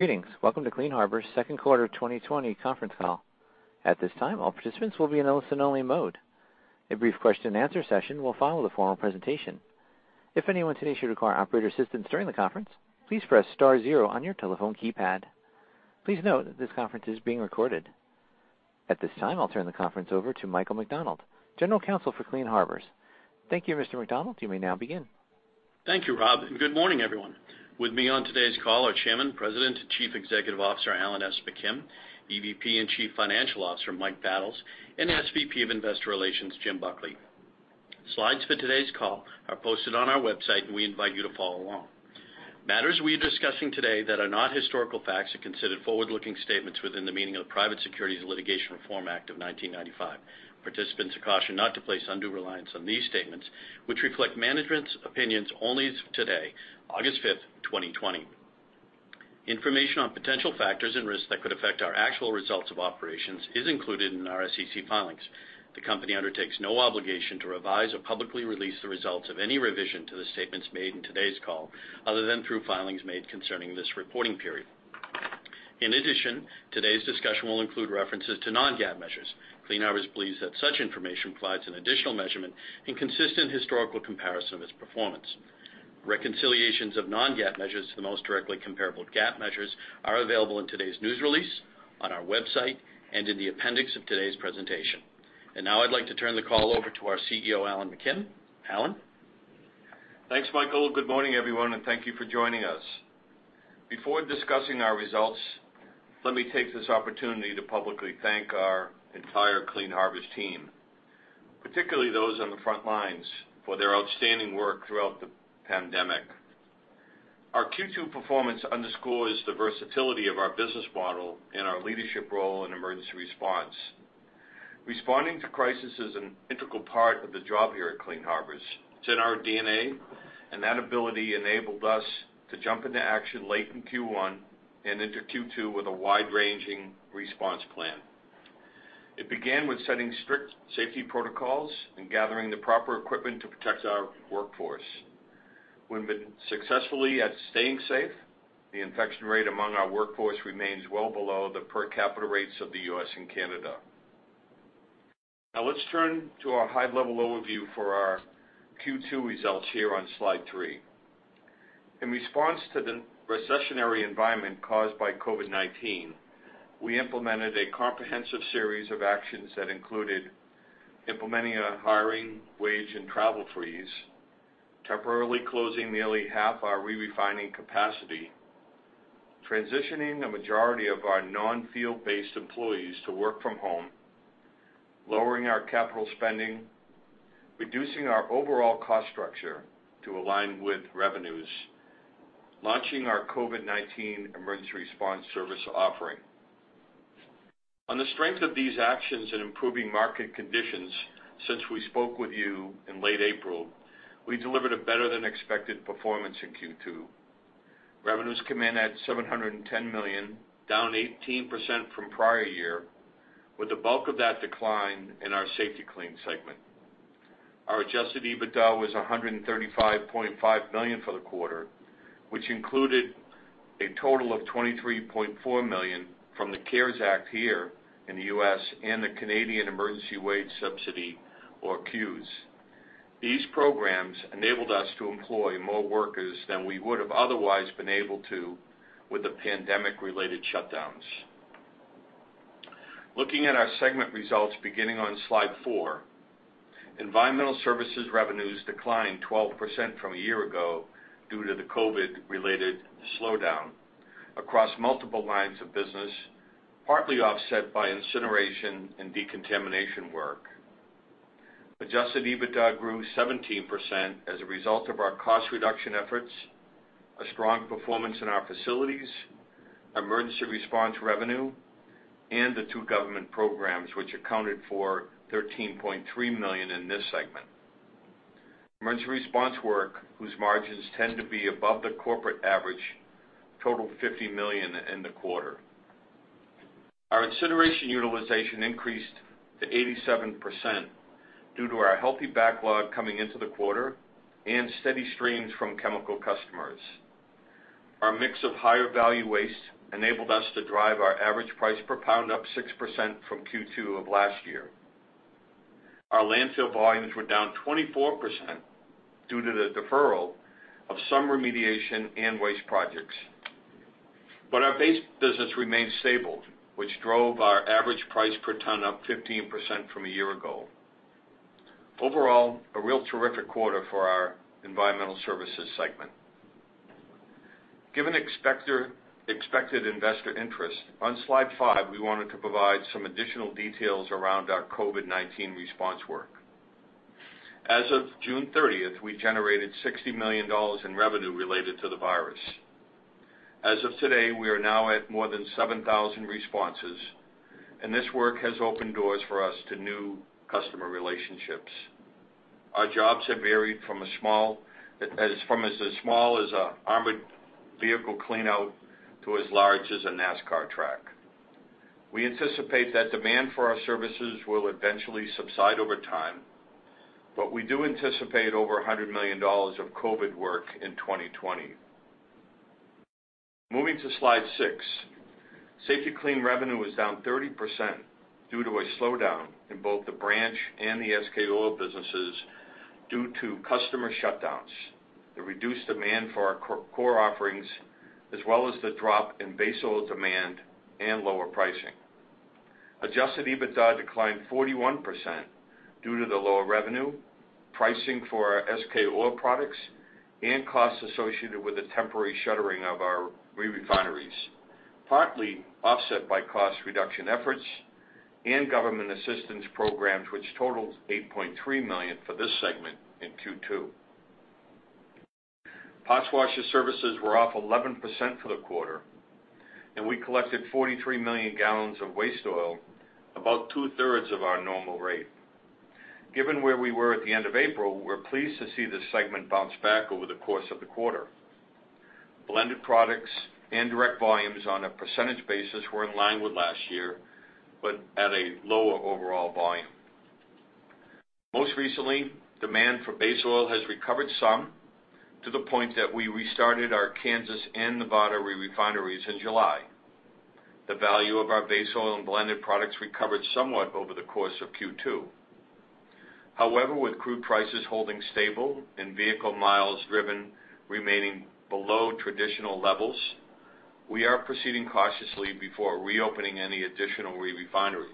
Greetings. Welcome to Clean Harbors' Q2 2020 conference call. At this time, all participants will be in a listen-only mode. A brief question-and-answer session will follow the formal presentation. If anyone today should require operator assistance during the conference, please press star zero on your telephone keypad. Please note that this conference is being recorded. At this time, I'll turn the conference over to Michael McDonald, General Counsel for Clean Harbors. Thank you, Mr. McDonald. You may now begin. Thank you, Rob. Good morning, everyone. With me on today's call are Chairman, President, and Chief Executive Officer, Alan S. McKim, EVP and Chief Financial Officer, Mike Battles, and SVP of Investor Relations, Jim Buckley. Slides for today's call are posted on our website, and we invite you to follow along. Matters we are discussing today that are not historical facts are considered forward-looking statements within the meaning of the Private Securities Litigation Reform Act of 1995. Participants are cautioned not to place undue reliance on these statements, which reflect management's opinions only as of today, August 5th, 2020. Information on potential factors and risks that could affect our actual results of operations is included in our SEC filings. The company undertakes no obligation to revise or publicly release the results of any revision to the statements made in today's call, other than through filings made concerning this reporting period. Today's discussion will include references to non-GAAP measures. Clean Harbors believes that such information provides an additional measurement and consistent historical comparison of its performance. Reconciliations of non-GAAP measures to the most directly comparable GAAP measures are available in today's news release, on our website, and in the appendix of today's presentation. Now I'd like to turn the call over to our CEO, Alan McKim. Alan? Thanks, Michael. Good morning, everyone, and thank you for joining us. Before discussing our results, let me take this opportunity to publicly thank our entire Clean Harbors team, particularly those on the front lines, for their outstanding work throughout the pandemic. Our Q2 performance underscores the versatility of our business model and our leadership role in emergency response. Responding to crisis is an integral part of the job here at Clean Harbors. It's in our DNA, and that ability enabled us to jump into action late in Q1 and into Q2 with a wide-ranging response plan. It began with setting strict safety protocols and gathering the proper equipment to protect our workforce. We've been successfully at staying safe. The infection rate among our workforce remains well below the per capita rates of the U.S. and Canada. Let's turn to our high-level overview for our Q2 results here on slide three. In response to the recessionary environment caused by COVID-19, we implemented a comprehensive series of actions that included implementing a hiring, wage, and travel freeze, temporarily closing nearly half our re-refining capacity, transitioning the majority of our non-field-based employees to work from home, lowering our capital spending, reducing our overall cost structure to align with revenues, launching our COVID-19 emergency response service offering. On the strength of these actions and improving market conditions since we spoke with you in late April, we delivered a better-than-expected performance in Q2. Revenues come in at $710 million, down 18% from prior year, with the bulk of that decline in our Safety-Kleen segment. Our adjusted EBITDA was $135.5 million for the quarter, which included a total of $23.4 million from the CARES Act here in the U.S. and the Canadian Emergency Wage Subsidy, or CEWS. These programs enabled us to employ more workers than we would have otherwise been able to with the pandemic-related shutdowns. Looking at our segment results beginning on slide four, environmental services revenues declined 12% from a year ago due to the COVID-related slowdown across multiple lines of business, partly offset by incineration and decontamination work. Adjusted EBITDA grew 17% as a result of our cost reduction efforts, a strong performance in our facilities, emergency response revenue, and the two government programs, which accounted for $13.3 million in this segment. Emergency response work, whose margins tend to be above the corporate average, totaled $50 million in the quarter. Our incineration utilization increased to 87% due to our healthy backlog coming into the quarter and steady streams from chemical customers. Our mix of higher value waste enabled us to drive our average price per pound up 6% from Q2 of last year. Our landfill volumes were down 24% due to the deferral of some remediation and waste projects. Our base business remained stable, which drove our average price per ton up 15% from a year ago. Overall, a real terrific quarter for our environmental services segment. Given expected investor interest, on slide five, we wanted to provide some additional details around our COVID-19 response work. As of June 30th, we generated $60 million in revenue related to the virus. As of today, we are now at more than 7,000 responses, and this work has opened doors for us to new customer relationships. Our jobs have varied from as small as an armored vehicle clean-out to as large as a NASCAR track. We anticipate that demand for our services will eventually subside over time, but we do anticipate over $100 million of COVID work in 2020. Moving to Slide six. Safety-Kleen revenue was down 30% due to a slowdown in both the branch and the SK Oil businesses due to customer shutdowns, the reduced demand for our core offerings, as well as the drop in base oil demand and lower pricing. Adjusted EBITDA declined 41% due to the lower revenue, pricing for our SK Oil products, and costs associated with the temporary shuttering of our re-refineries, partly offset by cost reduction efforts and government assistance programs, which totaled $8.3 million for this segment in Q2. Parts washer services were off 11% for the quarter, and we collected 43 million gallons of waste oil, about two-thirds of our normal rate. Given where we were at the end of April, we're pleased to see this segment bounce back over the course of the quarter. Blended products and direct volumes on a percentage basis were in line with last year, but at a lower overall volume. Most recently, demand for base oil has recovered some to the point that we restarted our Kansas and Nevada re-refineries in July. The value of our base oil and blended products recovered somewhat over the course of Q2. However, with crude prices holding stable and vehicle miles driven remaining below traditional levels, we are proceeding cautiously before reopening any additional re-refineries.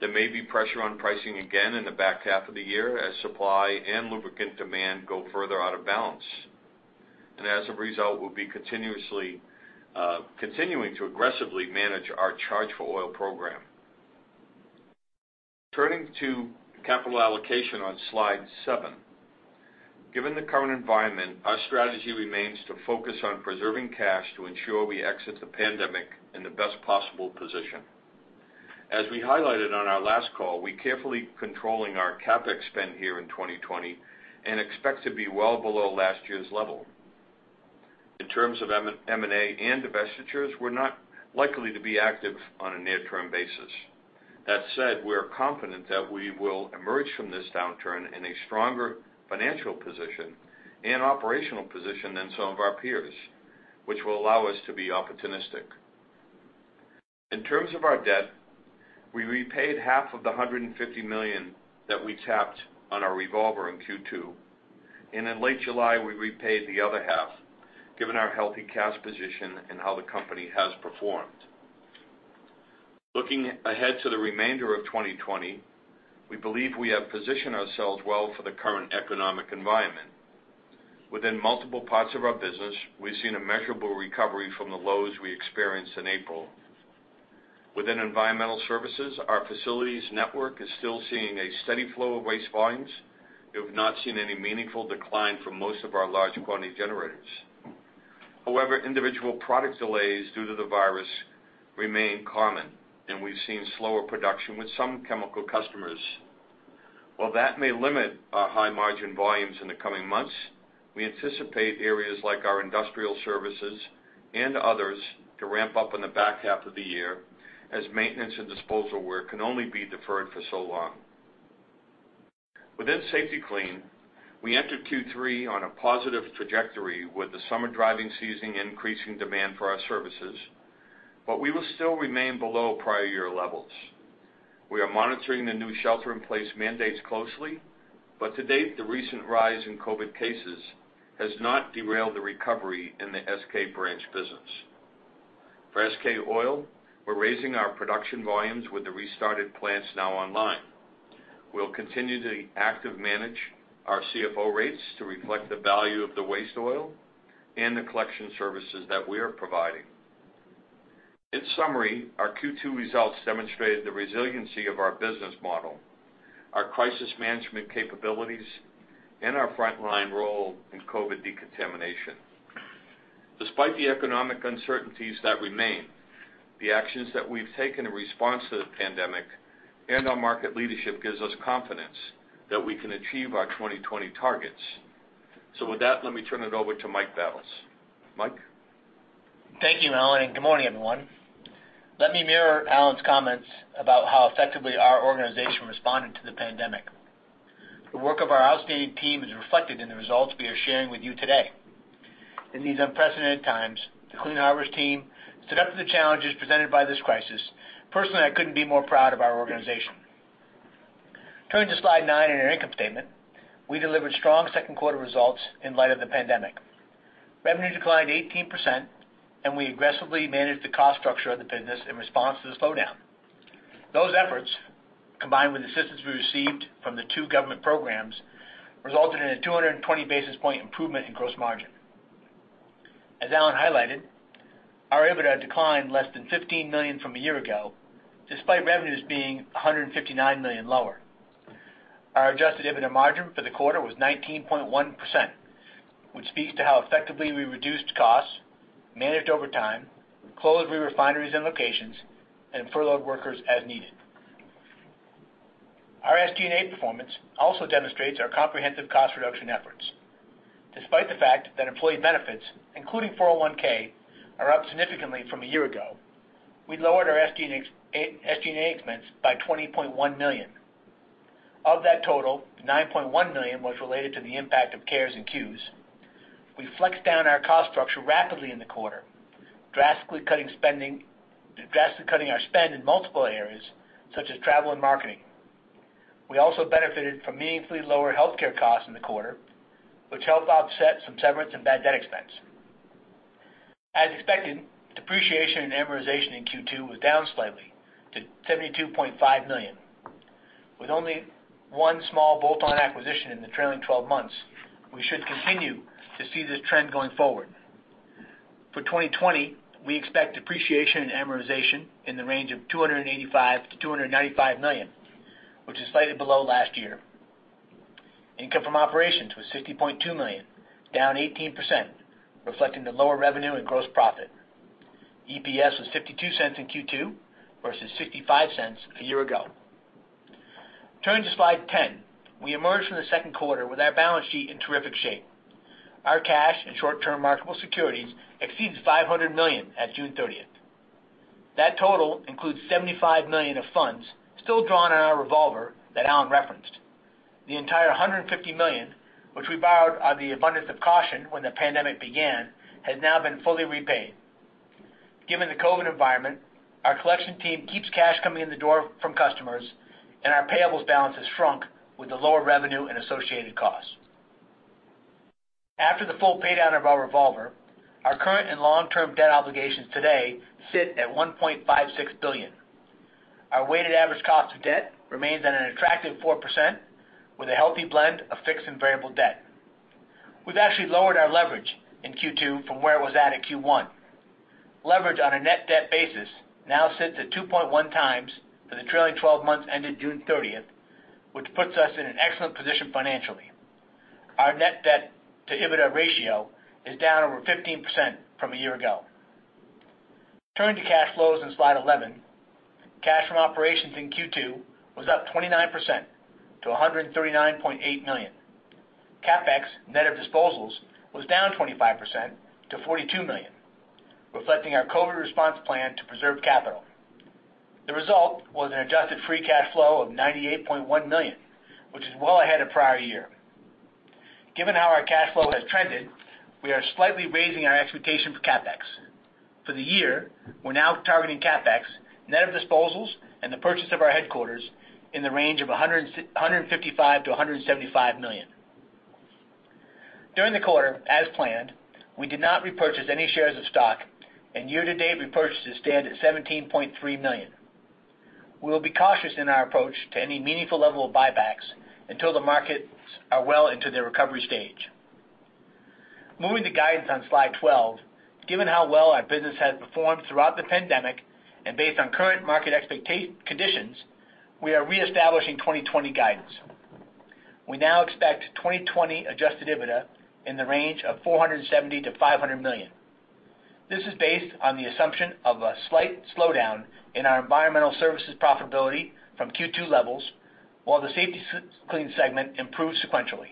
There may be pressure on pricing again in the back half of the year as supply and lubricant demand go further out of balance. As a result, we'll be continuing to aggressively manage our charge-for-oil program. Turning to capital allocation on Slide seven. Given the current environment, our strategy remains to focus on preserving cash to ensure we exit the pandemic in the best possible position. As we highlighted on our last call, we carefully controlling our CapEx spend here in 2020 and expect to be well below last year's level. In terms of M&A and divestitures, we're not likely to be active on a near-term basis. That said, we are confident that we will emerge from this downturn in a stronger financial position and operational position than some of our peers, which will allow us to be opportunistic. In terms of our debt, we repaid half of the $150 million that we tapped on our revolver in Q2, and in late July, we repaid the other half, given our healthy cash position and how the company has performed. Looking ahead to the remainder of 2020, we believe we have positioned ourselves well for the current economic environment. Within multiple parts of our business, we've seen a measurable recovery from the lows we experienced in April. Within environmental services, our facilities network is still seeing a steady flow of waste volumes. We have not seen any meaningful decline for most of our large quantity generators. However, individual product delays due to the virus remain common, and we've seen slower production with some chemical customers. While that may limit our high margin volumes in the coming months, we anticipate areas like our industrial services and others to ramp up in the back half of the year, as maintenance and disposal work can only be deferred for so long. Within Safety-Kleen, we entered Q3 on a positive trajectory with the summer driving season increasing demand for our services. We will still remain below prior year levels. We are monitoring the new shelter-in-place mandates closely. To date, the recent rise in COVID cases has not derailed the recovery in the SK branch business. For SK Oil, we're raising our production volumes with the restarted plants now online. We'll continue to active manage our CFO rates to reflect the value of the waste oil and the collection services that we are providing. In summary, our Q2 results demonstrated the resiliency of our business model, our crisis management capabilities, and our frontline role in COVID-19 decontamination. Despite the economic uncertainties that remain, the actions that we've taken in response to the pandemic, and our market leadership gives us confidence that we can achieve our 2020 targets. With that, let me turn it over to Mike Battles. Mike? Thank you, Alan. Good morning, everyone. Let me mirror Alan's comments about how effectively our organization responded to the pandemic. The work of our outstanding team is reflected in the results we are sharing with you today. In these unprecedented times, the Clean Harbors team stood up to the challenges presented by this crisis. Personally, I couldn't be prouder of our organization. Turning to Slide nine in our income statement, we delivered strong Q2 results in light of the pandemic. Revenue declined 18%. We aggressively managed the cost structure of the business in response to the slowdown. Those efforts, combined with assistance we received from the two government programs, resulted in a 220-basis point improvement in gross margin. As Alan highlighted, our EBITDA declined less than $15 million from a year ago, despite revenues being $159 million lower. Our adjusted EBITDA margin for the quarter was 19.1%, which speaks to how effectively we reduced costs, managed overtime, closed re-refineries and locations, and furloughed workers as needed. Our SG&A performance also demonstrates our comprehensive cost reduction efforts. Despite the fact that employee benefits, including 401(k), are up significantly from a year ago, we lowered our SG&A expense by $20.1 million. Of that total, $9.1 million was related to the impact of CARES Act and CEWS. We flexed down our cost structure rapidly in the quarter, drastically cutting our spend in multiple areas, such as travel and marketing. We also benefited from meaningfully lower healthcare costs in the quarter, which helped offset some severance and bad debt expense. As expected, depreciation and amortization in Q2 was down slightly to $72.5 million. With only one small bolt-on acquisition in the trailing 12 months, we should continue to see this trend going forward. For 2020, we expect depreciation and amortization in the range of $285-$295 million, which is slightly below last year. Income from operations was $60.2 million, down 18%, reflecting the lower revenue and gross profit. EPS was $0.52 in Q2 versus $0.65 a year ago. Turning to slide 10, we emerged from the Q2 with our balance sheet in terrific shape. Our cash and short-term marketable securities exceed $500 million on June 30th. That total includes $75 million of funds still drawn on our revolver that Alan referenced. The entire $150 million, which we borrowed on the abundance of caution when the pandemic began, has now been fully repaid. Given the COVID environment, our collection team keeps cash coming in the door from customers, and our payables balance has shrunk with the lower revenue and associated costs. After the full pay-down of our revolver, our current and long-term debt obligations today sit at $1.56 billion. Our weighted average cost of debt remains at an attractive 4%, with a healthy blend of fixed and variable debt. We've actually lowered our leverage in Q2 from where it was at in Q1. Leverage on a net debt basis now sits at 2.1x for the trailing 12 months ended June 30th, which puts us in an excellent position financially. Our net debt to EBITDA ratio is down over 15% from a year ago. Turning to cash flows on slide 11, cash from operations in Q2 was up 29% to $139.8 million. CapEx, net of disposals, was down 25% to $42 million, reflecting our COVID response plan to preserve capital. The result was an adjusted free cash flow of $98.1 million, which is well ahead of prior year. Given how our cash flow has trended, we are slightly raising our expectation for CapEx. For the year, we're now targeting CapEx, net of disposals and the purchase of our headquarters in the range of $155-$175 million. During the quarter, as planned, we did not repurchase any shares of stock, and year-to-date repurchases stand at $17.3 million. We will be cautious in our approach to any meaningful level of buybacks until the markets are well into their recovery stage. Moving to guidance on slide 12, given how well our business has performed throughout the pandemic and based on current market conditions, we are reestablishing 2020 guidance. We now expect 2020 adjusted EBITDA in the range of $470-$500 million. This is based on the assumption of a slight slowdown in our environmental services profitability from Q2 levels, while the Safety-Kleen segment improves sequentially.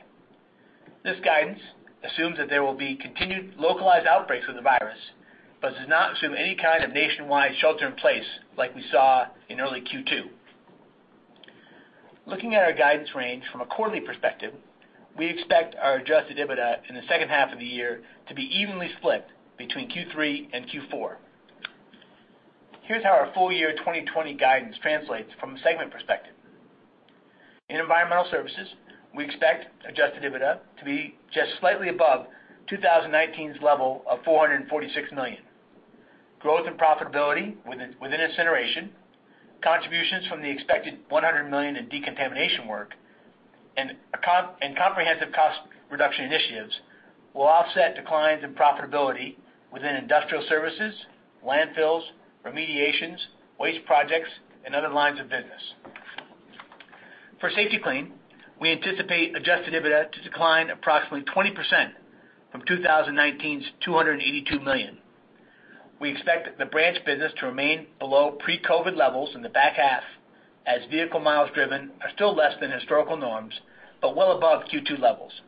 This guidance assumes that there will be continued localized outbreaks of the virus but does not assume any kind of nationwide shelter in place like we saw in early Q2. Looking at our guidance ranges from a quarterly perspective, we expect our adjusted EBITDA in the H2 of the year to be evenly split between Q3 and Q4. Here's how our full year 2020 guidance translates from a segment perspective. In Environmental Services, we expect adjusted EBITDA to be just slightly above 2019's level of $446 million. Growth and profitability within incineration, contributions from the expected $100 million in decontamination work, and comprehensive cost reduction initiatives will offset declines in profitability within Industrial Services, Landfills, Remediations, Waste Projects, and other lines of business. For Safety-Kleen, we anticipate adjusted EBITDA to decline approximately 20% from 2019's $282 million. We expect the branch business to remain below pre-COVID levels in the back half as vehicle miles driven are still less than historical norms but well above Q2 levels.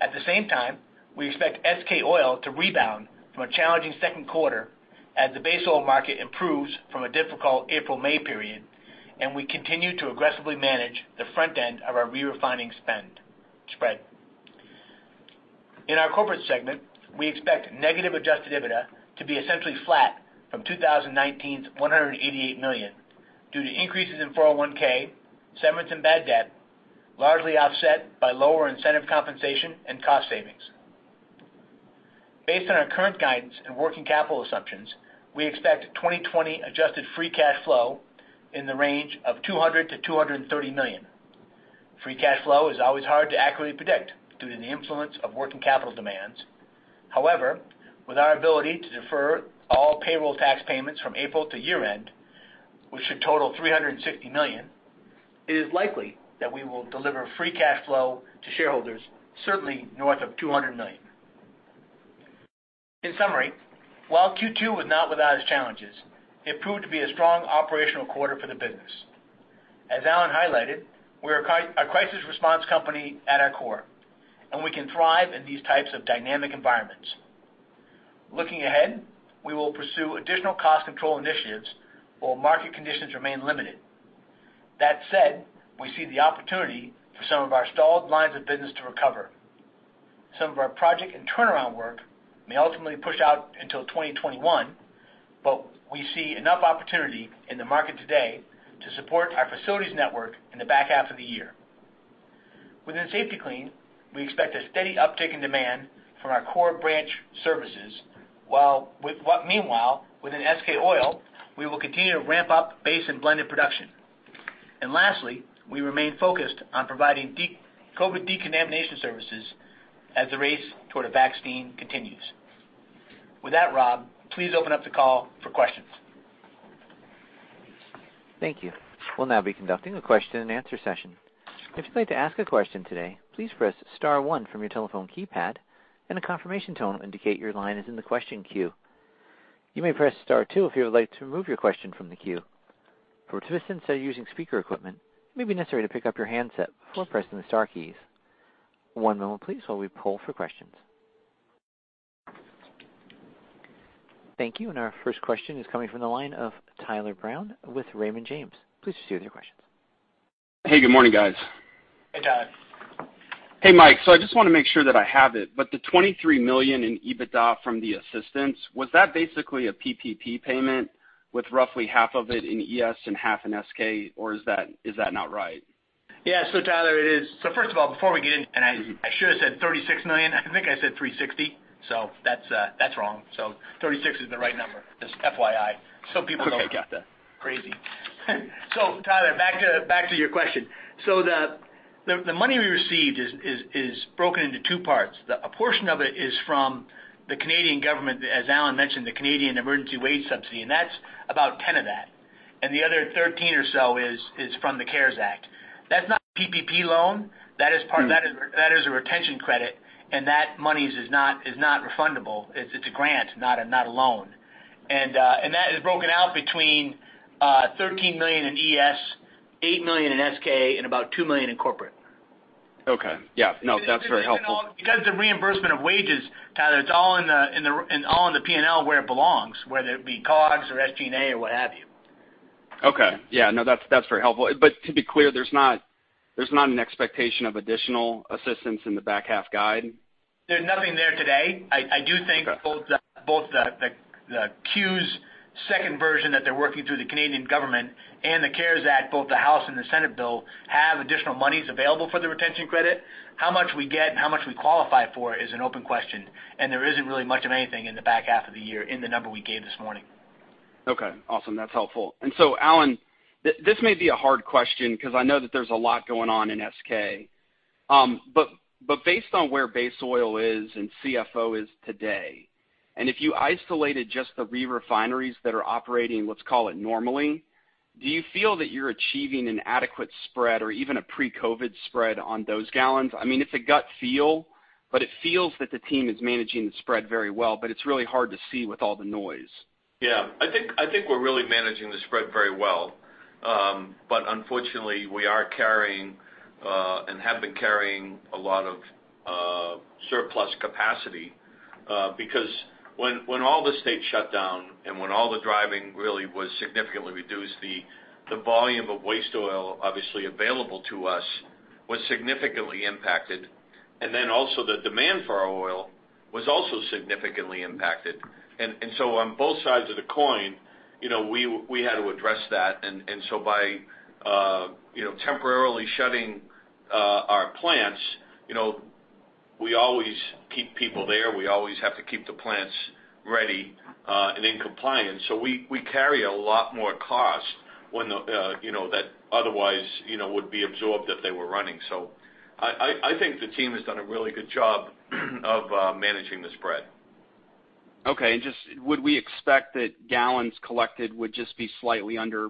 At the same time, we expect SK Oil to rebound from a challenging Q2 as the base oil market improves from a difficult April-May period, and we continue to aggressively manage the front end of our re-refining spread. In our corporate segment, we expect negative adjusted EBITDA to be essentially flat from 2019's $188 million due to increases in 401(k), severance, and bad debt, largely offset by lower incentive compensation and cost savings. Based on our current guidance and working capital assumptions, we expect 2020 adjusted free cash flow in the range of $200-$230 million. Free cash flow is always hard to accurately predict due to the influence of working capital demands. However, with our ability to defer all payroll tax payments from April to year-end, which should total $360 million, it is likely that we will deliver free cash flow to shareholders certainly north of $200 million. In summary, while Q2 was not without its challenges, it proved to be a strong operational quarter for the business. As Alan highlighted, we're a crisis response company at our core, and we can thrive in these types of dynamic environments. Looking ahead, we will pursue additional cost control initiatives while market conditions remain limited. That said, we see the opportunity for some of our stalled lines of business to recover. Some of our project and turnaround work may ultimately push out until 2021, but we see enough opportunity in the market today to support our facilities network in the back half of the year. Within Safety-Kleen, we expect a steady uptick in demand from our core branch services, meanwhile, within SK Oil, we will continue to ramp up base and blended production. Lastly, we remain focused on providing COVID decontamination services as the race toward a vaccine continues. With that, Rob, please open up the call for questions. Thank you. We'll now be conducting a question-and-answer session. If you'd like to ask a question today, please press star one from your telephone keypad, and a confirmation tone will indicate your line is in the question queue. You may press star two if you would like to remove your question from the queue. For participants that are using speaker equipment, it may be necessary to pick up your handset before pressing the star keys. One moment please while we poll for questions. Thank you. Our first question is coming from the line of Tyler Brown with Raymond James. Please proceed with your questions. Hey, good morning, guys. Hey, Tyler. Hey, Mike. I just want to make sure that I have it, but the $23 million in EBITDA from the assistance, was that basically a PPP payment with roughly half of it in ES and half in SK, or is that not right? Yeah. Tyler, it is first of all, before we get in, I should have said $36 million. I think I said 360, that's wrong. 36 is the right number, just FYI. Some people- Okay, got that. crazy. Tyler, back to your question. The money we received is broken into two parts. A portion of it is from the Canadian government, as Alan mentioned, the Canadian Emergency Wage Subsidy, and that's about $10 of that. The other $13 or so is from the CARES Act. That's not PPP loan. That is a retention credit, and that money is not refundable. It's a grant, not a loan. That is broken out between $13 million in ES, $8 million in SK, and about $2 million in corporate. Okay. Yeah. No, that's very helpful. The reimbursement of wages, Tyler, it's all in the P&L where it belongs, whether it be COGS or SG&A or what have you. Okay. Yeah, no, that's very helpful. To be clear, there's not an expectation of additional assistance in the back half guide? There's nothing there today. I do think both the CEWS second version that they're working through the Canadian government and the CARES Act, both the House and the Senate bill, have additional monies available for the retention credit. How much we get and how much we qualify for is an open question, and there isn't really much of anything in the back half of the year in the number we gave this morning. Okay. Awesome. That's helpful. Alan, this may be a hard question because I know that there's a lot going on in SK. Based on where base oil is and charge-for-oil is today, and if you isolated just the re-refineries that are operating, let's call it normally, do you feel that you're achieving an adequate spread or even a pre-COVID spread on those gallons? It's a gut feel, it feels that the team is managing the spread very well, but it's really hard to see with all the noise. Yeah. I think we're really managing the spread very well. Unfortunately, we are carrying, and have been carrying a lot of surplus capacity, because when all the states shut down and when all the driving really was significantly reduced, the volume of used oil obviously available to us was significantly impacted. Also the demand for our used oil was also significantly impacted. On both sides of the coin, we had to address that. By temporarily shutting our plants, we always keep people there. We always have to keep the plants ready, and in compliance. We carry a lot more cost that otherwise would be absorbed if they were running. I think the team has done a really good job of managing the spread. Okay. Would we expect that gallons collected would just be slightly under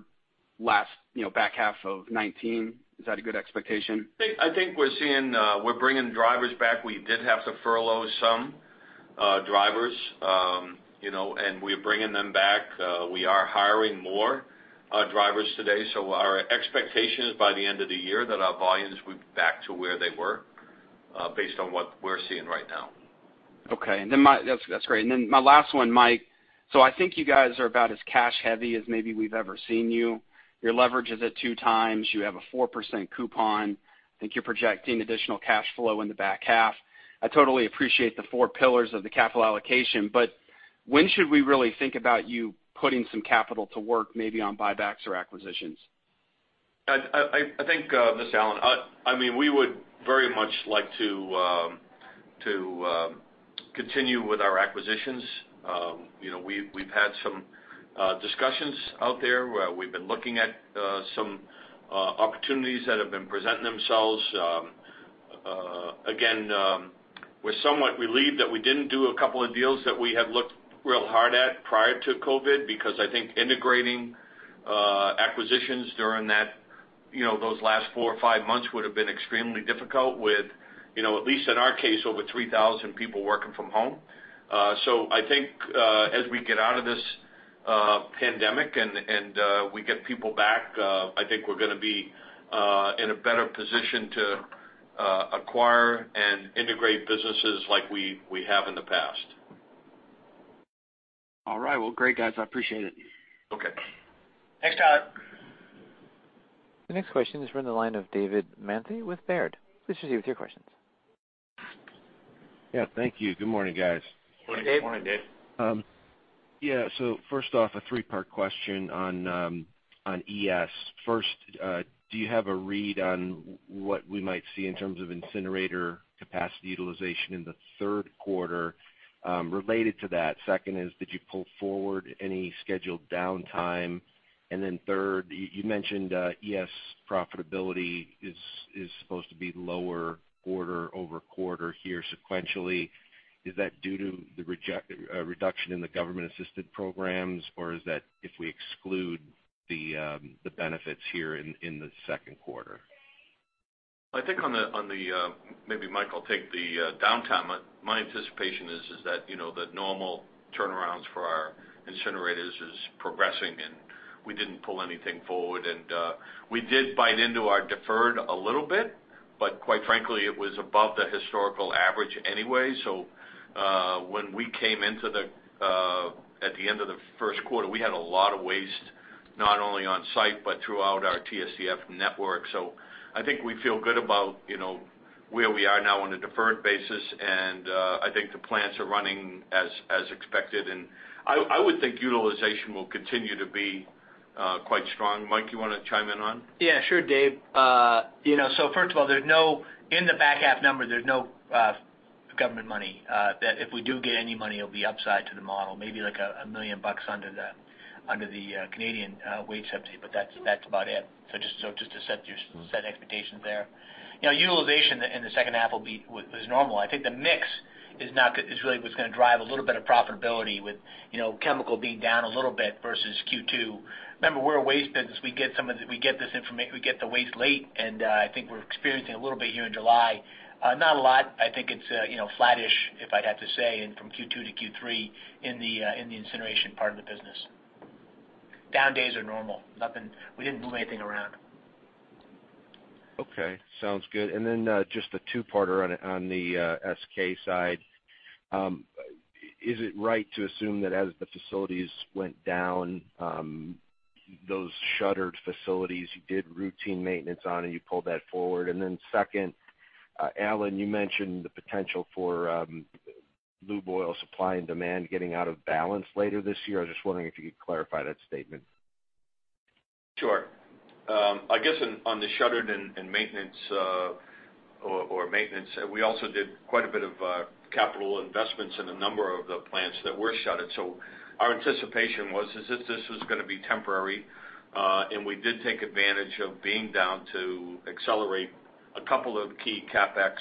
back half of 2019? Is that a good expectation? I think we're bringing drivers back. We did have to furlough some drivers, and we're bringing them back. We are hiring more drivers today. Our expectation is by the end of the year that our volumes will be back to where they were, based on what we're seeing right now. Okay. That's great. My last one, Mike. I think you guys are about as cash heavy as maybe we've ever seen you. Your leverage is at two times. You have a 4% coupon. I think you're projecting additional cash flow in the back half. I totally appreciate the four pillars of the capital allocation, but when should we really think about you putting some capital to work, maybe on buybacks or acquisitions? I think, this is Alan. We would very much like to continue with our acquisitions. We've had some discussions out there where we've been looking at some opportunities that have been presenting themselves. We're somewhat relieved that we didn't do a couple of deals that we had looked real hard at prior to COVID, because I think integrating acquisitions during those last four or five months would have been extremely difficult with, at least in our case, over 3,000 people working from home. I think as we get out of this pandemic and we get people back, I think we're going to be in a better position to acquire and integrate businesses like we have in the past. All right. Well, great, guys. I appreciate it. Okay. Thanks, Tyler. The next question is from the line of David Manthey with Baird. Please proceed with your questions. Yeah, thank you. Good morning, guys. Morning, Dave. Morning, David. Yeah. First off, a three-part question on ES. First, do you have a read on what we might see in terms of incinerator capacity utilization in the Q3? Related to that, second is, did you pull forward any scheduled downtime? Then third, you mentioned ES profitability is supposed to be lower quarter-over-quarter here sequentially. Is that due to the reduction in the government-assisted programs, or is that if we exclude the benefits here in the Q2? I think on the Maybe Mike will take the downtime. My anticipation is that the normal turnarounds for our incinerators is progressing, and we didn't pull anything forward. We did bite into our deferred a little bit, but quite frankly, it was above the historical average anyway. When we came in at the end of the Q1, we had a lot of waste, not only on site, but throughout our TSDF network. I think we feel good about where we are now on a deferred basis, and I think the plants are running as expected. I would think utilization will continue to be quite strong. Mike, you want to chime in on? Yeah, sure, Dave. First of all, in the back half number, there's no government money. That if we do get any money, it'll be upside to the model, maybe like $1 million under the Canadian Wage Subsidy. That's about it. Just to set expectations there. Utilization in the H2 will be as normal. I think the mix is really what's going to drive a little bit of profitability with chemical being down a little bit versus Q2. Remember, we're a waste business. We get the waste late. I think we're experiencing a little bit here in July. Not a lot. I think it's flattish, if I'd have to say, from Q2-Q3 in the incineration part of the business. Down days are normal. We didn't move anything around. Okay. Sounds good. Then just a two-parter on the SK side. Is it right to assume that as the facilities went down, those shuttered facilities, you did routine maintenance on and you pulled that forward? Then second, Alan, you mentioned the potential for lube oil supply and demand getting out of balance later this year. I was just wondering if you could clarify that statement. Sure. I guess on the shuttered and maintenance, we also did quite a bit of capital investments in a number of the plants that were shuttered. Our anticipation was is if this was going to be temporary. We did take advantage of being down to accelerate a couple of key CapEx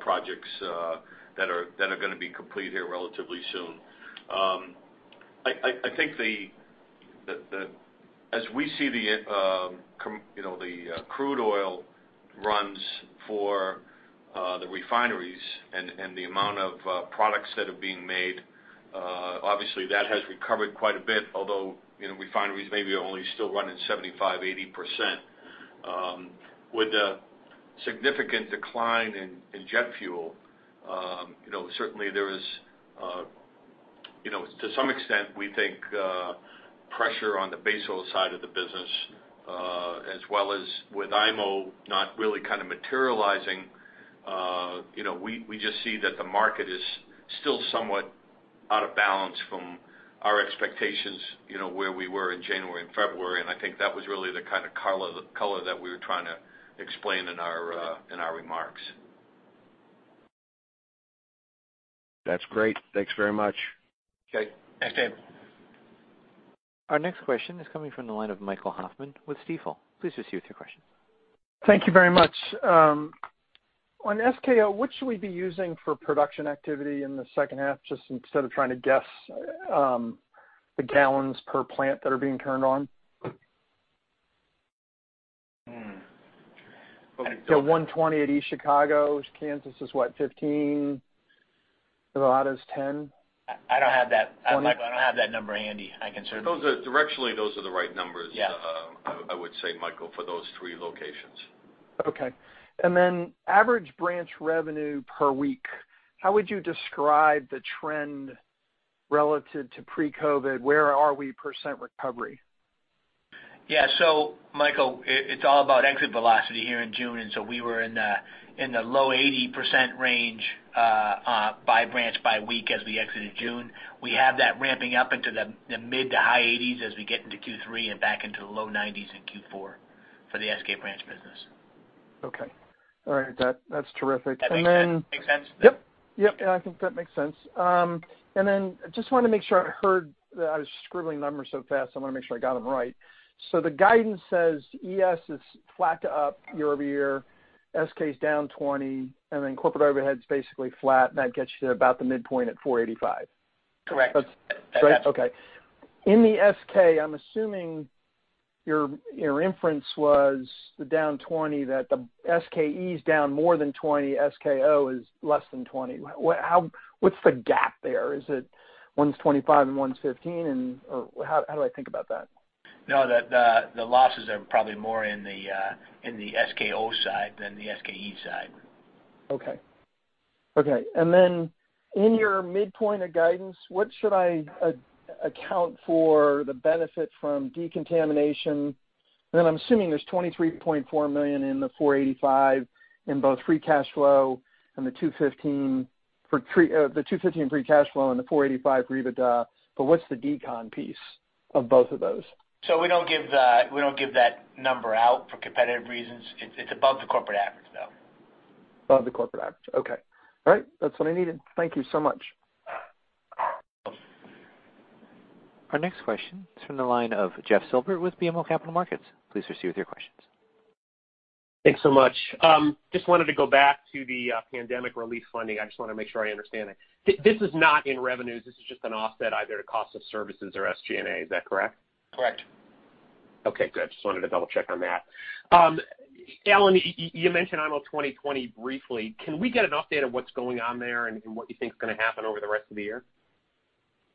projects that are going to be complete here relatively soon. I think as we see the crude oil runs for the refineries and the amount of products that are being made, obviously, that has recovered quite a bit, although refineries maybe are only still running 75%, 80%. With a significant decline in jet fuel, certainly there is, to some extent, we think pressure on the base oil side of the business, as well as with IMO not really materializing. We just see that the market is still somewhat out of balance from our expectations, where we were in January and February, and I think that was really the kind of color that we were trying to explain in our remarks. That's great. Thanks very much. Okay. Thanks, Dave. Our next question is coming from the line of Michael Hoffman with Stifel. Please proceed with your question. Thank you very much. On SKO, what should we be using for production activity in the second half, just instead of trying to guess the gallons per plant that are being turned on? 120 at East Chicago. Kansas is what? 15? Nevada's 10? Michael, I don't have that number handy. Directionally, those are the right numbers. Yes I would say, Michael, for those three locations. Okay. Average branch revenue per week, how would you describe the trend relative to pre-COVID? Where are we percentage recovery? Yeah. Michael, it's all about exit velocity here in June, and so we were in the low 80% range by branch by week as we exited June. We have that ramping up into the mid to high 80s as we get into Q3 and back into the low 90s in Q4 for the SK branch business. Okay. All right. That's terrific. That make sense? Yep. I think that makes sense. Just wanted to make sure I heard I was scribbling numbers so fast, I want to make sure I got them right. The guidance says ES is flat to up year-over-year, SK's down 20%, corporate overhead's basically flat, that gets you to about the midpoint at $485. That's right? Okay. In the SK, I'm assuming your inference was the down 20%, that the SK-E is down more than 20%, SK-O is less than 20%. What's the gap there? Is it one's 25% and one's 15%? How do I think about that? No. The losses are probably more in the SK-O side than the SK-E side. Okay. In your midpoint of guidance, what should I account for the benefit from decontamination? I'm assuming there's $23.4 million in the $485 in both free cash flow and the $215 free cash flow and the $485 for EBITDA. What's the decon piece of both of those? We don't give that number out for competitive reasons. It's above the corporate average, though. Above the corporate average. Okay. All right. That's what I needed. Thank you so much. Our next question is from the line of Jeffrey Silber with BMO Capital Markets. Please proceed with your questions. Thanks so much. Just wanted to go back to the pandemic relief funding. I just want to make sure I understand it. This is not in revenues, this is just an offset either to cost of services or SG&A. Is that correct? Correct. Okay, good. Just wanted to double-check on that. Alan, you mentioned IMO 2020 briefly. Can we get an update on what's going on there and what you think is going to happen over the rest of the year?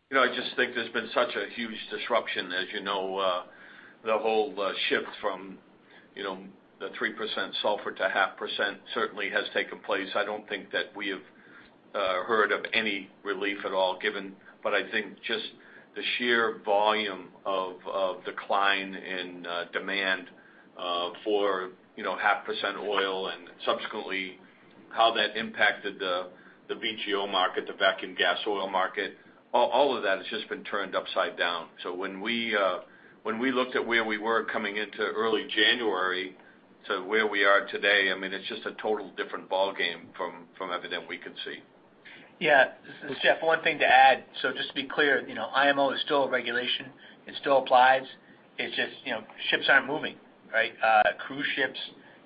You know, I just think there's been such a huge disruption. As you know, the whole shift from the 3% sulfur to half percent certainly has taken place. I don't think that we have heard of any relief at all given, I think just the sheer volume of decline in demand for half percent oil and subsequently how that impacted the VGO market, the vacuum gas oil market, all of that has just been turned upside down. When we looked at where we were coming into early January to where we are today, I mean, it's just a totally different ballgame from everything we can see. Yeah. Jeff. One thing to add, so just to be clear, IMO is still a regulation. It still applies. It's just ships aren't moving, right? Cruise ships,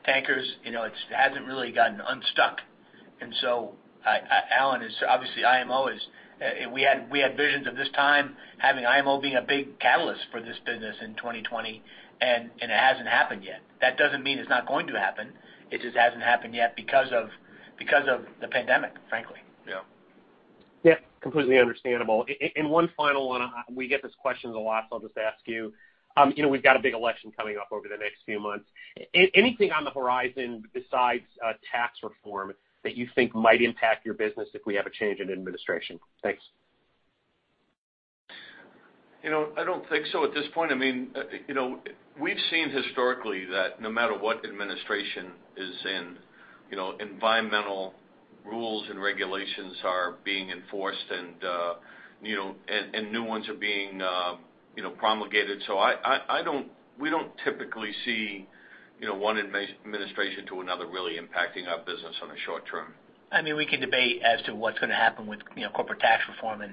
tankers, it hasn't really gotten unstuck. Alan, obviously, IMO is We had visions of this time having IMO being a big catalyst for this business in 2020, and it hasn't happened yet. That doesn't mean it's not going to happen. It just hasn't happened yet because of the pandemic, frankly. Yeah. Yeah. Completely understandable. One final one. We get this question a lot, so I'll just ask you. We've got a big election coming up over the next few months. Anything on the horizon besides tax reform that you think might impact your business if we have a change in administration? Thanks. I don't think so at this point. We've seen historically that no matter what administration is in, environmental rules and regulations are being enforced, and new ones are being promulgated. We don't typically see one administration to another really impacting our business on the short term. I mean, we can debate as to what's going to happen with corporate tax reform in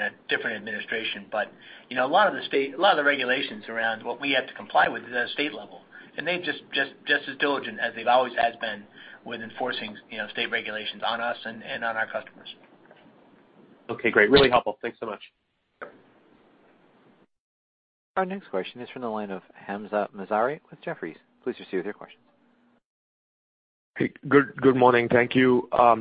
a different administration. A lot of the regulations around what we have to comply with is at a state level, and they're just as diligent as they always have been with enforcing state regulations on us and on our customers. Okay, great. Really helpful. Thanks so much. Our next question is from the line of Hamzah Mazari with Jefferies. Please proceed with your questions. Hey, good morning. Thank you. Hi.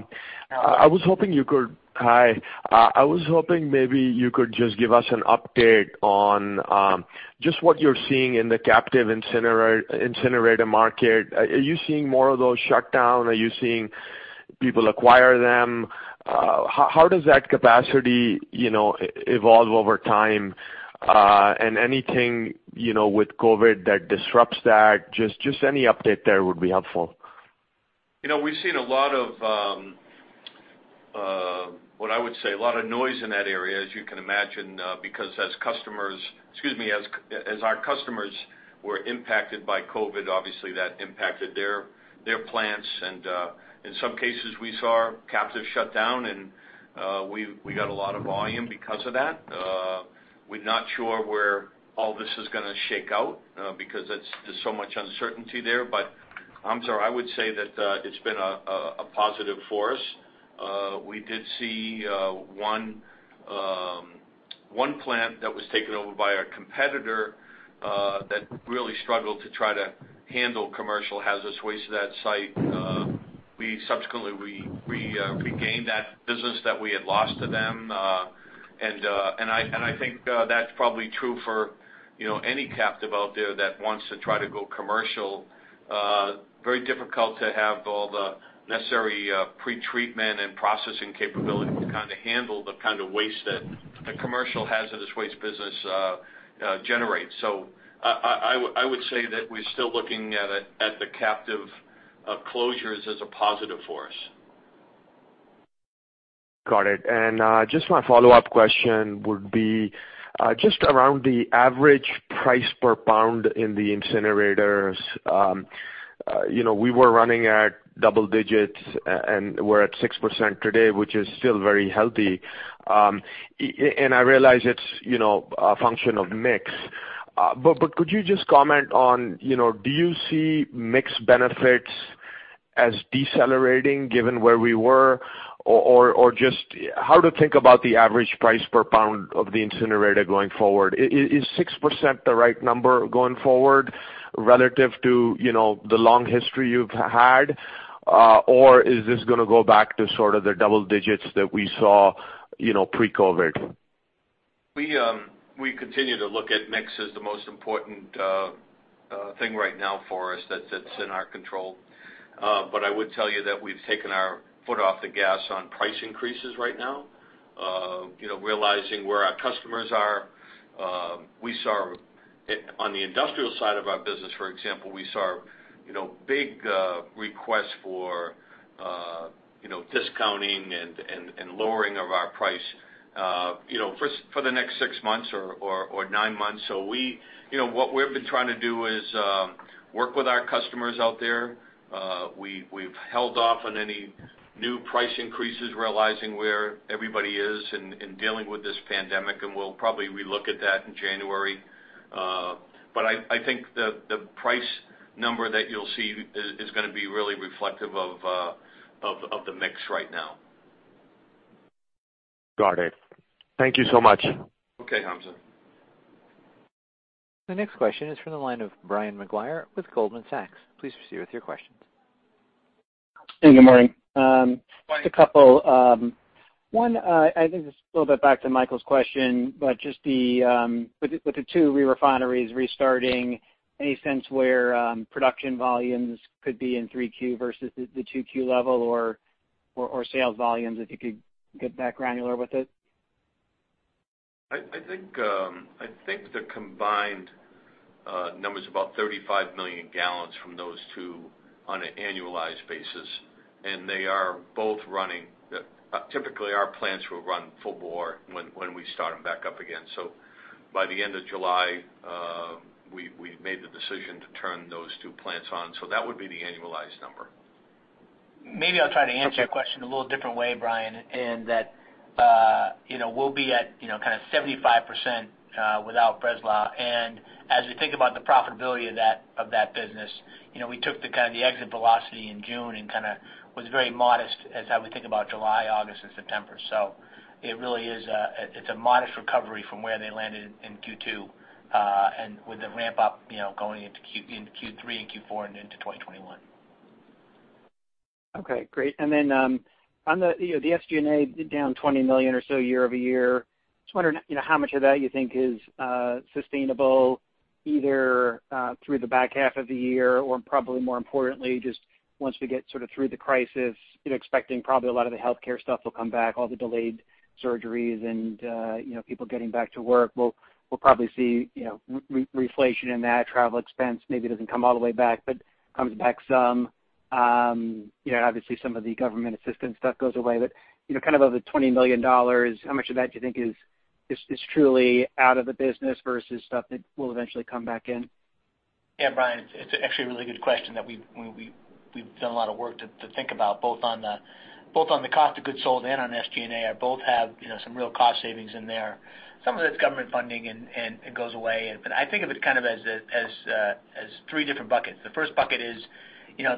I was hoping maybe you could just give us an update on just what you're seeing in the captive incinerator market. Are you seeing more of those shut down? Are you seeing people acquire them? How does that capacity evolve over time? Anything with COVID that disrupts that, just any update there would be helpful. We've seen, what I would say, a lot of noise in that area, as you can imagine, because as our customers were impacted by COVID, obviously that impacted their plants, and in some cases, we saw captives shut down, and we got a lot of volume because of that. We're not sure where all this is going to shake out because there's so much uncertainty there. Hamzah, I would say that it's been a positive for us. We did see one plant that was taken over by a competitor that really struggled to try to handle commercial hazardous waste at that site. Subsequently, we regained that business that we had lost to them. I think that's probably true for any captive out there that wants to try to go commercial. Very difficult to have all the necessary pre-treatment and processing capability to kind of handle the kind of waste that the commercial hazardous waste business generates. I would say that we're still looking at the captive closures as a positive for us. Got it. Just my follow-up question would be just around the average price per pound in the incinerators. We were running at double digits, and we're at 6% today, which is still very healthy. I realize it's a function of mix. Could you just comment on, do you see mix benefits as decelerating given where we were, or just how to think about the average price per pound of the incinerator going forward? Is 6% the right number going forward relative to the long history you've had? Is this going to go back to sort of the double digits that we saw pre-COVID? We continue to look at mix as the most important thing right now for us that's in our control. I would tell you that we've taken our foot off the gas on price increases right now, realizing where our customers are. On the industrial side of our business, for example, we saw big requests for discounting and lowering of our price for the next six months or nine months. What we've been trying to do is work with our customers out there. We've held off on any new price increases, realizing where everybody is in dealing with this pandemic, and we'll probably re-look at that in January. I think the price number that you'll see is going to be really reflective of the mix right now. Got it. Thank you so much. Okay, Hamzah. The next question is from the line of Brian Maguire with Goldman Sachs. Please proceed with your questions. Hey, good morning. Just a couple. I think this is a little bit back to Michael's question, but just with the two refineries restarting, any sense where production volumes could be in Q3 versus the Q2 level or sales volumes, if you could get that granular with it? I think the combined numbers about 35 million gallons from those two on an annualized basis. They are both running. Typically, our plants will run full bore when we start them back up again. By the end of July, we've made the decision to turn those two plants on. That would be the annualized number. Maybe I'll try to answer your question a little different way, Brian, in that we'll be at kind of 75% without Breslau. As we think about the profitability of that business, we took the kind of the exit velocity in June and kind of was very modest as how we think about July, August, and September. It's a modest recovery from where they landed in Q2, and with the ramp up going into Q3 and Q4 and into 2021. Okay, great. On the SG&A down $20 million or so year-over-year, just wondering how much of that you think is sustainable either through the back half of the year or probably more importantly, just once we get sort of through the crisis, expecting probably a lot of the healthcare stuff will come back, all the delayed surgeries and people getting back to work. We'll probably see reflation in that. Travel expense maybe doesn't come all the way back but comes back some. Obviously, some of the government assistance stuff goes away, but kind of the $20 million, how much of that do you think is truly out of the business versus stuff that will eventually come back in? Yeah, Brian, it's actually a really good question that we've done a lot of work to think about, both on the cost of goods sold and on SG&A. Both have some real cost savings in there. Some of its government funding and it goes away. I think of its kind of as three different buckets. The first bucket is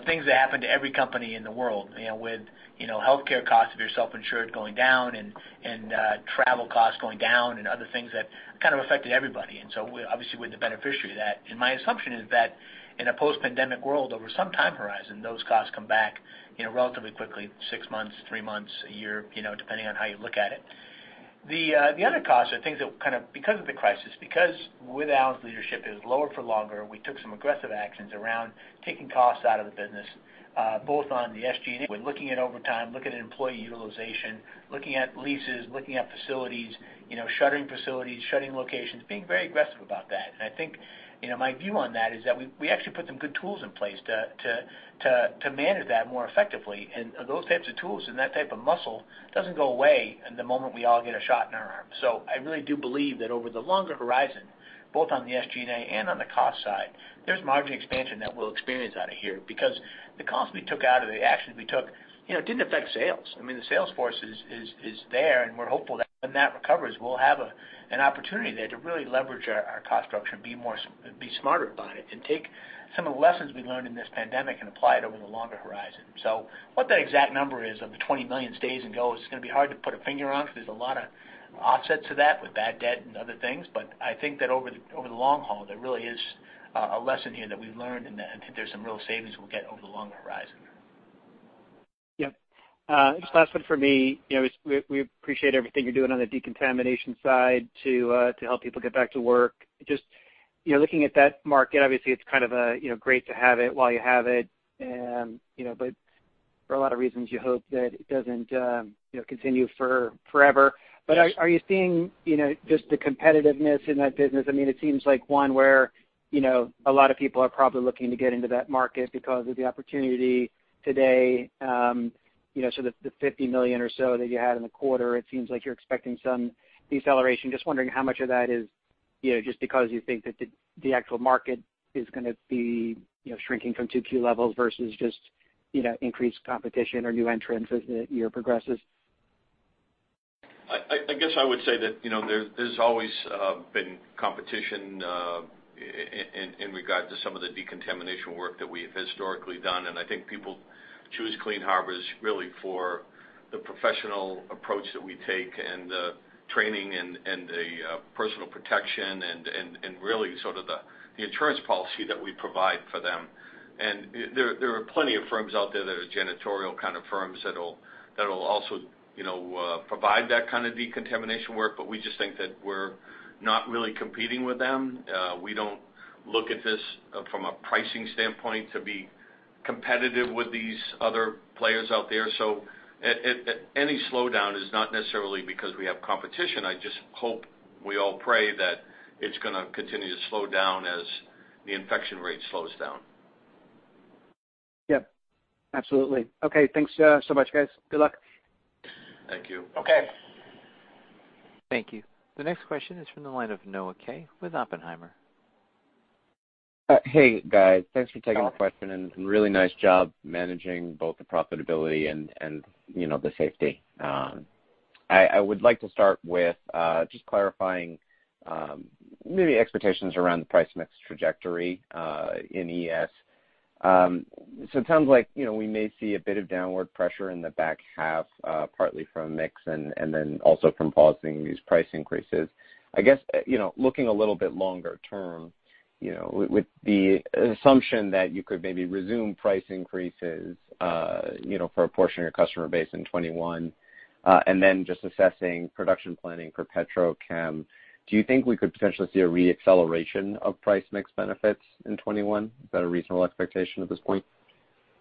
things that happen to every company in the world, with healthcare costs if you're self-insured going down and travel costs going down and other things that kind of affected everybody. Obviously, we're the beneficiary of that. My assumption is that in a post-pandemic world, over some time horizon, those costs come back relatively quickly, six months, three months, a year, depending on how you look at it. The other costs are things that kind of because of the crisis, because with Al's leadership, it was lower for longer, we took some aggressive actions around taking costs out of the business, both on the SG&A. We're looking at overtime, looking at employee utilization, looking at leases, looking at facilities, shuttering facilities, shutting locations, being very aggressive about that. I think that my view on that is that we actually put some good tools in place to manage that more effectively. Those types of tools and that type of muscle don't go away the moment we all get a shot in our arm. I really do believe that over the longer horizon, both on the SG&A and on the cost side, there's margin expansion that we'll experience out of here. Because the costs we took out of the actions we took, it didn't affect sales. I mean, the sales force is there, and we're hopeful that when that recovers, we'll have an opportunity there to really leverage our cost structure and be smarter about it and take some of the lessons we learned in this pandemic and apply it over the longer horizon. What that exact number is of the $20 million stays and goes, it's going to be hard to put a finger on because there's a lot of offsets to that with bad debt and other things. I think that over the long haul, there really is a lesson here that we've learned, and I think there's some real savings we'll get over the longer horizon. Yep. Just last one for me. We appreciate everything you're doing on the decontamination side to help people get back to work. Just looking at that market, obviously, it's kind of great to have it while you have it. For a lot of reasons, you hope that it doesn't continue forever. Yes. Are you seeing just the competitiveness in that business? I mean, it seems like one where a lot of people are probably looking to get into that market because of the opportunity today. The $50 million or so that you had in the quarter, it seems like you're expecting some deceleration. Just wondering how much of that is just because you think that the actual market is going to be shrinking from 2Q levels versus just increased competition or new entrants as the year progresses? I guess I would say that there's always been competition in regard to some of the decontamination work that we have historically done, and I think people choose Clean Harbors really for the professional approach that we take and the training and the personal protection and really sort of the insurance policy that we provide for them. There are plenty of firms out there that are janitorial kind of firms that'll also provide that kind of decontamination work, but we just think that we're not really competing with them. We don't look at this from a pricing standpoint to be competitive with these other players out there. Any slowdown is not necessarily because we have competition. I just hope we all pray that it's going to continue to slow down as the infection rate slows down. Yep, absolutely. Okay, thanks so much, guys. Good luck. Thank you. Okay. Thank you. The next question is from the line of Noah Kaye with Oppenheimer. Hey, guys. Thanks for taking the question and really nice job managing both the profitability and the safety. I would like to start with just clarifying maybe expectations around the price mix trajectory in ES. It sounds like we may see a bit of downward pressure in the back half partly from mix and then also from pausing these price increases. I guess, looking a little bit longer term, with the assumption that you could maybe resume price increases for a portion of your customer base in 2021, and then just assessing production planning for Petrochem. Do you think we could potentially see a re-acceleration of price mix benefits in 2021? Is that a reasonable expectation at this point?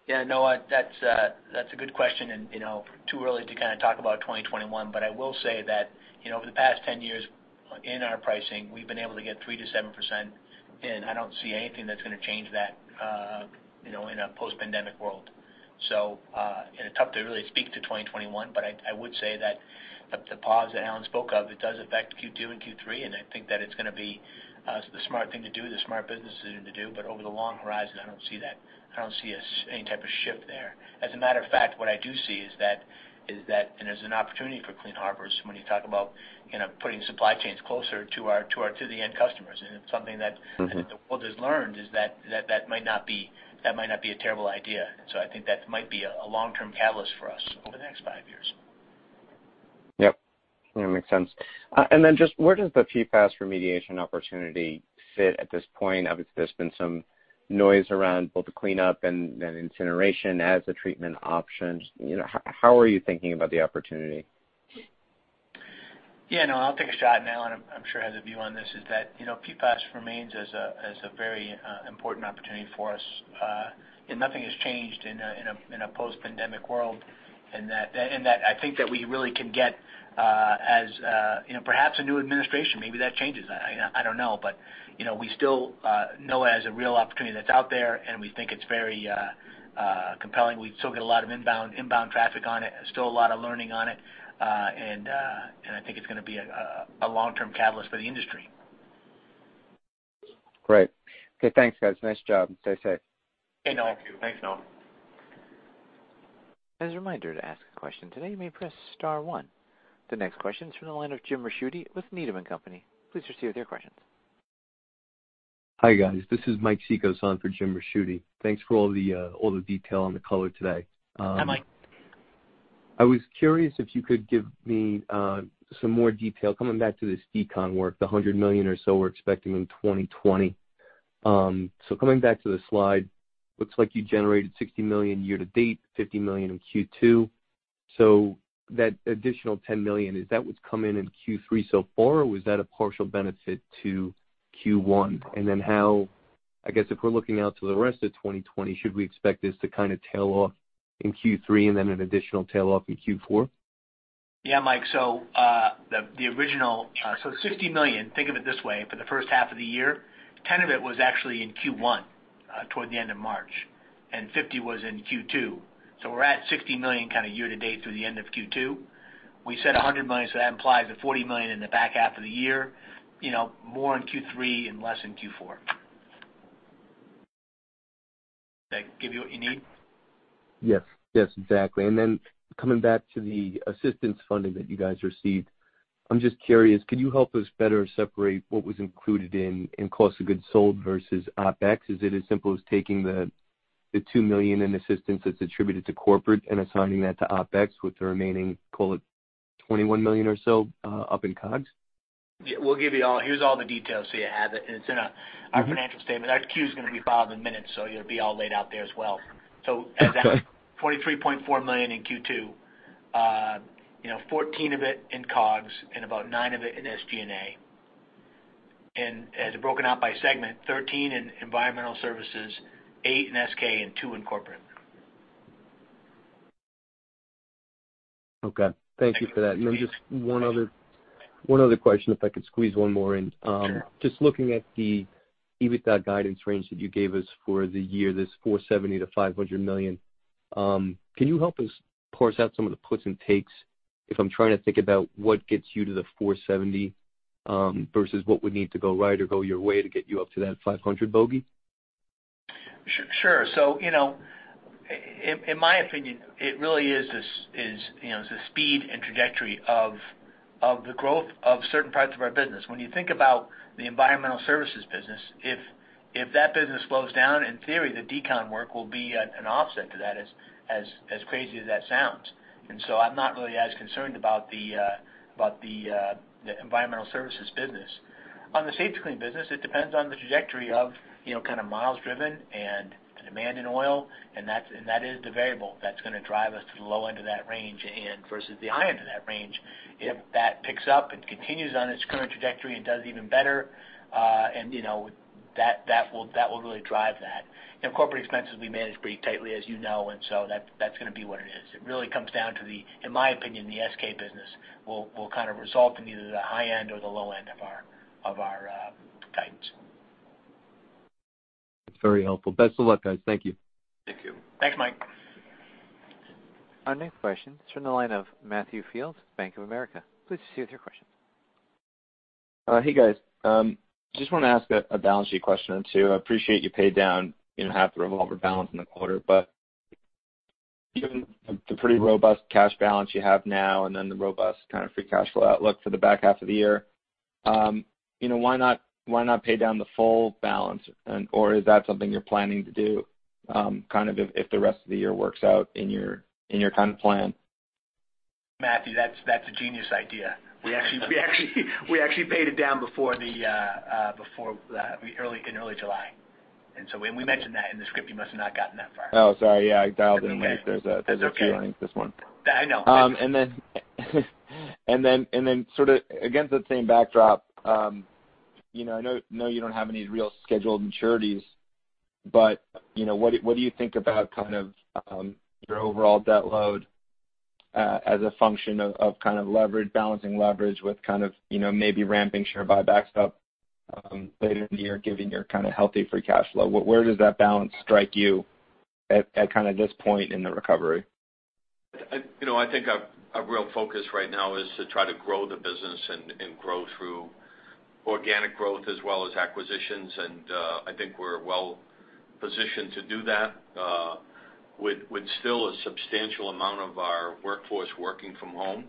Yeah, Noah, that's a good question and too early to kind of talk about 2021, but I will say that over the past 10 years in our pricing, we've been able to get 3%-7%, and I don't see anything that's going to change that in a post-pandemic world. It's tough to really speak to 2021, but I would say that the pause that Alan spoke of, it does affect Q2 and Q3, and I think that it's going to be the smart thing to do, the smart business decision to do. Over the long horizon, I don't see any type of shift there. As a matter of fact, what I do see is that there's an opportunity for Clean Harbors when you talk about putting supply chains closer to the end customers. It's something that I think the world has learned is that that might not be a terrible idea. I think that might be a long-term catalyst for us over the next five years. Yep. That makes sense. Then just where does the PFAS remediation opportunity fit at this point? Obviously, there's been some noise around both the cleanup and then incineration as a treatment option. How are you thinking about the opportunity? Yeah, Noah, I'll take a shot, and Alan I'm sure has a view on this, is that PFAS remains as a very important opportunity for us. Nothing has changed in a post-pandemic world in that I think that we really can get as perhaps a new administration, maybe that changes. I don't know. We still know as a real opportunity that's out there, and we think it's very compelling. We still get a lot of inbound traffic on it, still a lot of learning on it. I think it's going to be a long-term catalyst for the industry. Great. Okay, thanks, guys. Nice job. Stay safe. Okay, Noah. Thank you. Thanks, Noah. As a reminder to ask a question today, you may press star one. The next question is from the line of James Ricchiuti with Needham & Company. Please proceed with your questions. Hi, guys. This is Michael Cikos on for James Ricchiuti. Thanks for all the detail and the color today. Hi, Mike. I was curious if you could give me some more detail coming back to this decon work, the $100 million or so we're expecting in 2020. Coming back to the slide, looks like you generated $60 million year-to-date, $50 million in Q2. That additional $10 million, is that what's come in in Q3 so far, or was that a partial benefit to Q1? How, I guess, if we're looking out to the rest of 2020, should we expect this to kind of tail off in Q3 and then an additional tail off in Q4? Yeah, Mike. The original, $60 million, think of it this way, for the H1 of the year, $10 of it was actually in Q1 toward the end of March, and $50 was in Q2. We're at $60 million kind of year to date through the end of Q2. We said $100 million, so that implies the $40 million in the back half of the year. More in Q3 and less in Q4. Does that give you what you need? Yes, exactly. Coming back to the assistance funding that you guys received, I'm just curious, can you help us better separate what was included in cost of goods sold versus OpEx? Is it as simple as taking the $2 million in assistance that's attributed to corporate and assigning that to OpEx with the remaining, call it $21 million or so, up in COGS? Yeah, we'll give you all. Here's all the details so you have it, and it's in our financial statement. Our Q is going to be filed in minutes, so you'll be all laid out there as well. Okay. As at $43.4 million in Q2, $14 of it in COGS and about $9 of it in SG&A. As broken out by segment, $13 in Environmental Services, $8 in SK, and $2 in Corporate. Okay. Thank you for that. Just one other question, if I could squeeze one more in. Sure. Just looking at the EBITDA guidance range that you gave us for the year, this $470-$500 million. Can you help us parse out some of the puts and takes if I'm trying to think about what gets you to the $470 versus what would need to go right or go your way to get you up to that $500 bogey? Sure. In my opinion, it really is the speed and trajectory of the growth of certain parts of our business. When you think about the Environmental Services business, if that business slows down, in theory, the decon work will be an offset to that, as crazy as that sounds. I'm not really as concerned about the Environmental Services business. On the Safety-Kleen business, it depends on the trajectory of miles driven and the demand in oil, and that is the variable that's going to drive us to the low end of that range and versus the high end of that range. If that picks up and continues on its current trajectory and does even better, that will really drive that. Corporate expenses we manage pretty tightly, as you know, that's going to be what it is. It really comes down to the, in my opinion, the SK business will kind of result in either the high end or the low end of our guidance. That's very helpful. Best of luck, guys. Thank you. Thank you. Thanks, Mike. Our next question is from the line of Matthew Fields, Bank of America. Please proceed with your question. Hey, guys. Want to ask a balance sheet question or two. I appreciate you paid down half the revolver balance in the quarter, given the pretty robust cash balance you have now and then the robust kind of free cash flow outlook for the back half of the year, why not pay down the full balance? Is that something you're planning to do if the rest of the year works out in your plan? Matthew, that's a genius idea. We actually paid it down in early July. We mentioned that in the script. You must have not gotten that far. Oh, sorry. Yeah, I dialed in late. That's okay. There are a few earnings this month. I know. Sort of against that same backdrop, I know you don't have any real scheduled maturities, but what do you think about your overall debt load as a function of balancing leverage with maybe ramping share buybacks up later in the year, given your kind of healthy free cash flow? Where does that balance strike you at this point in the recovery? I think our real focus right now is to try to grow the business and grow through organic growth as well as acquisitions. I think we're well positioned to do that with still a substantial amount of our workforce working from home.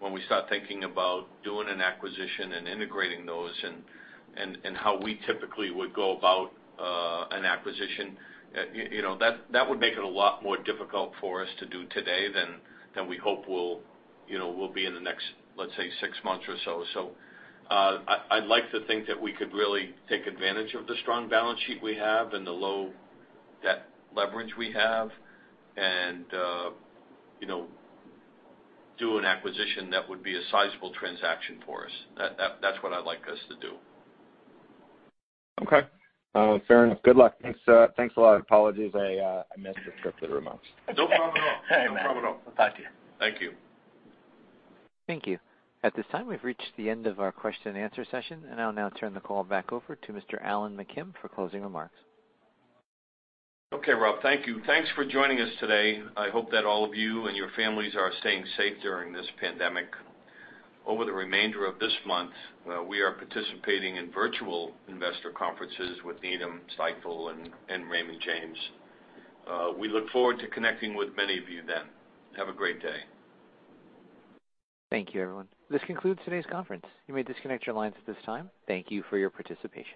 When we start thinking about doing an acquisition and integrating those and how we typically would go about an acquisition, that would make it a lot more difficult for us to do today than we hope will be in the next, let's say, six months or so. I'd like to think that we could really take advantage of the strong balance sheet we have and the low debt leverage we have and do an acquisition that would be a sizable transaction for us. That's what I'd like us to do. Okay. Fair enough. Good luck. Thanks a lot. Apologies, I missed the script of the remarks. No problem at all. Hey, man. No problem at all. We'll talk to you. Thank you. Thank you. At this time, we've reached the end of our question-and-answer session. I'll now turn the call back over to Mr. Alan McKim for closing remarks. Okay, Rob. Thank you. Thanks for joining us today. I hope that all of you and your families are staying safe during this pandemic. Over the remainder of this month, we are participating in virtual investor conferences with Needham, Stifel, and Raymond James. We look forward to connecting with many of you then. Have a great day. Thank you, everyone. This concludes today's conference. You may disconnect your lines at this time. Thank you for your participation.